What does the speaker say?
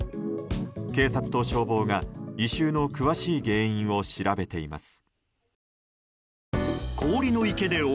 警察と消防が異臭の詳しい原因を調べています。